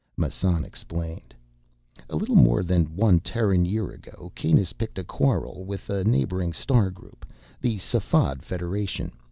Massan explained, "A little more than one Terran year ago, Kanus picked a quarrel with a neighboring star group—the Safad Federation.